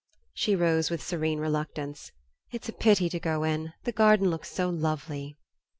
She rose with serene reluctance. "It's a pity to go in. The garden looks so lovely."